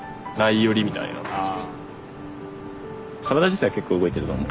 体自体結構動いてると思うから。